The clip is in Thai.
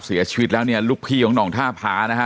เสียชีวิตแล้วเนี่ยลูกพี่ของห่องท่าผานะฮะ